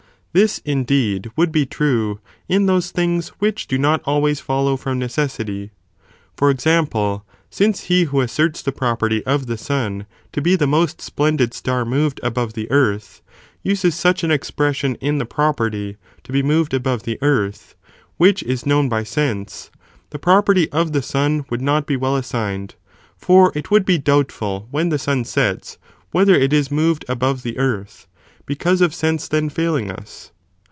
This, indeed, would be true in those things which do not always follow from necessity. For example, since he who asserts the property of the sun to be the most. splendid star moved above the earth, uses such (an expres~ sion) in the property, to be moved above the earth, which is known by sense, the property of the sun would not be well assigned, for it would be doubtful when the sun sets, whether. it is moved above the earth, because of sense then failing us.